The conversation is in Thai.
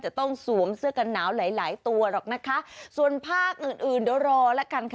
จะต้องสวมเสื้อกันหนาวหลายตัวหรอกนะคะส่วนภาคอื่นด้วยรอแล้วกันค่ะ